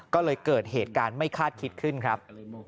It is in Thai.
ก็เลยเกิดเหตุการณ์ไม่คาดคิดขึ้นครับ